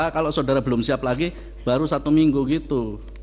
kalau saudara belum siap lagi baru satu minggu gitu